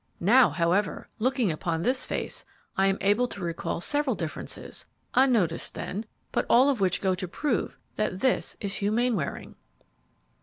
Now, however, looking upon this face, I am able to recall several differences, unnoticed then, but all of which go to prove that this is Hugh Mainwaring."